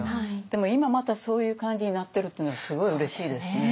でも今またそういう感じになってるっていうのはすごいうれしいですね。